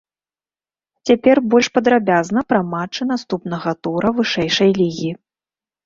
Цяпер больш падрабязна пра матчы наступнага тура вышэйшай лігі.